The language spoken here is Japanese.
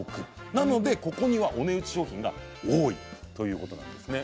なのでここにはお値打ち商品が多いということなんです。